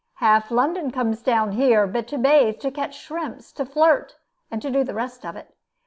Half London comes down here to bathe, to catch shrimps, to flirt, and to do the rest of it.